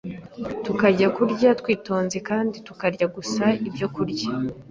tukajya turya twitonze, kandi tukarya gusa ibyokurya